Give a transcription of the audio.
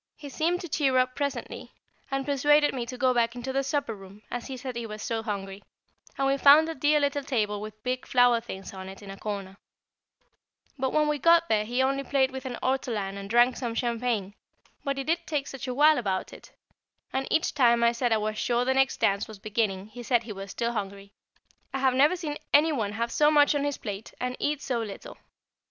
He seemed to cheer up presently, and persuaded me to go back into the supper room, as he said he was so hungry, and we found a dear little table, with big flower things on it, in a corner; but when we got there he only played with an ortolan and drank some champagne, but he did take such a while about it; and each time I said I was sure the next dance was beginning he said he was still hungry. I have never seen any one have so much on his plate and eat so little.